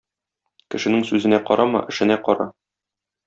Кешенең сүзенә карама, эшенә кара.